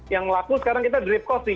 yang laku sekarang kita drip coffee